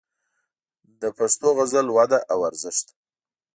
د پښتو غزل وده او ارزښت